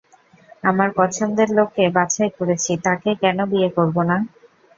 আমার পছন্দের লোককে বাছাই করেছি, তাকে কেন বিয়ে করবো না?